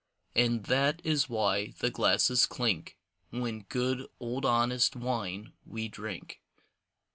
And that is why the glasses clink When good old honest wine we drink.